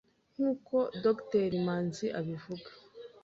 nk'uko Dr Manzi abivuga